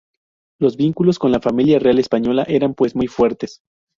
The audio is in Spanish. Los vínculos con la Familia real española eran pues muy fuertes.